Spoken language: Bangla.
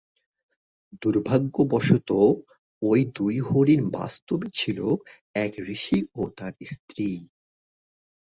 দুর্ভাগ্যবশত, ঐ দুই হরিণ বাস্তবে ছিল এক ঋষি ও তার স্ত্রী।